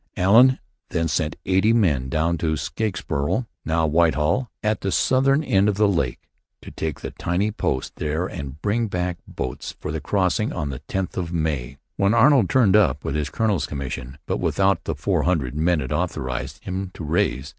Allen then sent eighty men down to Skenesborough (now Whitehall) at the southern end of the lake, to take the tiny post there and bring back boats for the crossing on the 10th of May. Then Arnold turned up with his colonel's commission, but without the four hundred men it authorized him to raise.